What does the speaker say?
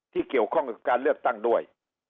ที่เกี่ยวข้องกับการเลือกตั้งด้วย